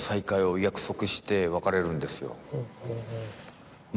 して別れるんですよ。